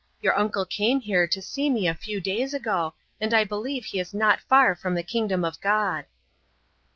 Your uncle came here to see me a few days ago, and I believe he is not far from the Kingdom of God!"